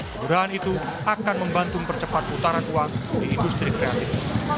kelurahan itu akan membantu mempercepat putaran uang di industri kreatif